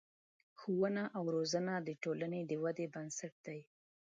ښوونه او روزنه د ټولنې د ودې بنسټ دی.